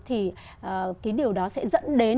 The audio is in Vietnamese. thì cái điều đó sẽ dẫn đến